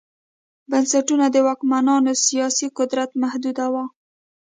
بنسټونه د واکمنانو سیاسي قدرت محدوداوه